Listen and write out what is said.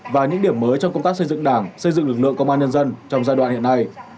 và những điểm mới trong công tác xây dựng đảng xây dựng lực lượng công an nhân dân trong giai đoạn hiện nay